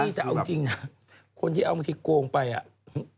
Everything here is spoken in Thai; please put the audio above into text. แต่เอาจริงนะคนที่เอาบางทีโกงไปอ่ะ